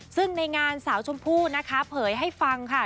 ซึ่งในงานสาวชมพู่นะคะเผยให้ฟังค่ะ